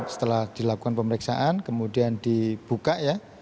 setelah dilakukan pemeriksaan kemudian dibuka ya